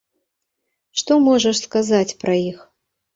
Што можаш сказаць пра іх?